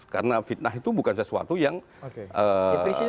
karena fitnah itu bukan sesuatu yang dikreasi